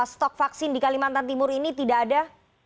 stok vaksin di kalimantan timur ini tidak ada